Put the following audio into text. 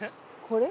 これ？